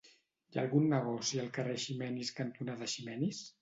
Hi ha algun negoci al carrer Eiximenis cantonada Eiximenis?